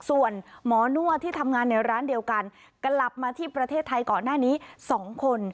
ส่วนหมอนวดที่ทำงานในร้านเดียวกันกลับมาที่ประเทศไทยก่อนหน้านี้๒คน